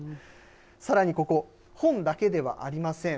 さらにここ、本だけではありません。